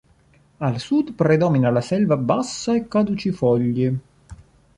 Al sud predomina la selva bassa e caducifoglie.